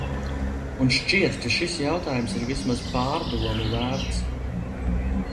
Un šķiet, ka šis jautājums ir vismaz pārdomu vērts.